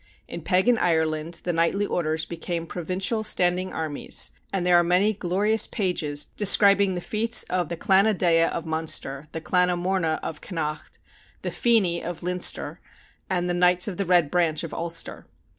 In pagan Ireland the knightly orders became provincial standing armies, and there are many glorious pages describing the feats of the Clanna Deagha of Munster, the Clanna Morna of Connacht, the Feni of Leinster, and the Knights of the Red Branch of Ulster.